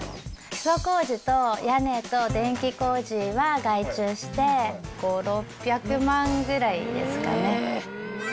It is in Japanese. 基礎工事と屋根と電気工事は外注して、５、６００万ぐらいですかね。